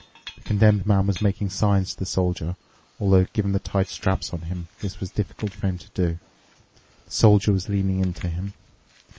The Condemned Man was making signs to the Soldier, although, given the tight straps on him, this was difficult for him to do. The Soldier was leaning into him.